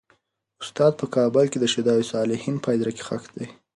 استاد په کابل کې د شهدا صالحین په هدیره کې خښ دی.